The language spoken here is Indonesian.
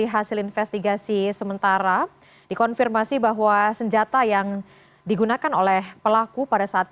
jalan proklamasi jakarta pusat